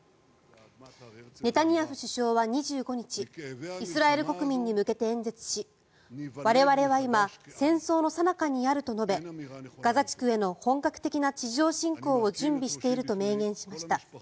ネタニヤフ首相は２５日イスラエル国民に向けて演説し我々は今、戦争のさなかにあると述べガザ地区への本格的な地上侵攻を準備していると明言しました。